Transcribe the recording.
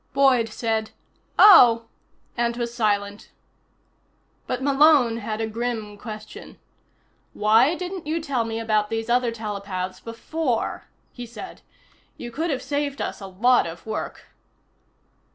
Boyd said: "Oh," and was silent. But Malone had a grim question. "Why didn't you tell me about these other telepaths before?" he said. "You could have saved us a lot of work."